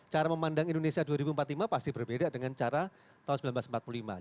cara memandang indonesia dua ribu empat puluh lima pasti berbeda dengan cara tahun seribu sembilan ratus empat puluh lima